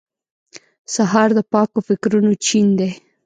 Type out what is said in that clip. سهار د پاکو فکرونو چین دی.